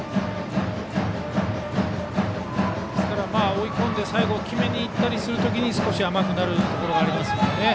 追い込んで最後、決めに行ったりする時に少し甘くなるところがありますので。